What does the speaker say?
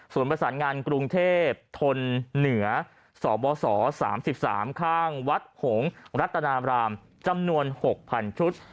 ประสานงานกรุงเทพทนเหนือสบส๓๓ข้างวัดหงษนามรามจำนวน๖๐๐๐ชุด